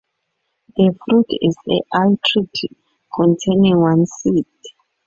The fruit is a utricle containing one seed.